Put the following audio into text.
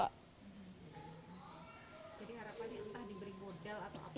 jadi harapan ini entah diberi modal atau apa